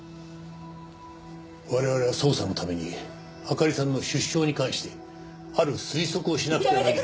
我々は捜査のためにあかりさんの出生に関してある推測をしなくては。